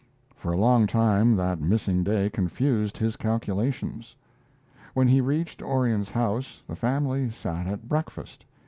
For a long time that missing day confused his calculations. When he reached Orion's house the family sat at breakfast.